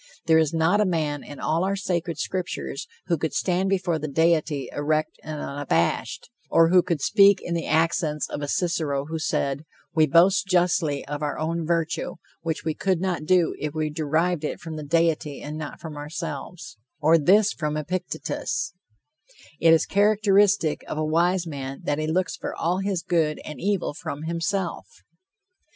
There is not a man in all our sacred scriptures who could stand before the deity erect and unabashed, or who could speak in the accents of a Cicero who said, "We boast justly of our own virtue, which we could not do if we derived it from the deity and not from ourselves," or this from Epictetus, "It is characteristic of a wise man that he looks for all his good and evil from himself."